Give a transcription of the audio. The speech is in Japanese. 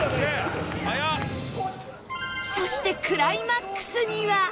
そしてクライマックスには